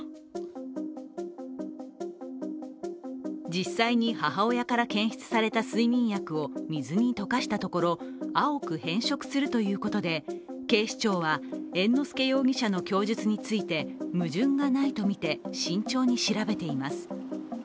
実際に母親から検出された睡眠薬を水に溶かしたところ青く変色するということで警視庁は猿之助容疑者の供述について矛盾がないとみて慎重に調べています。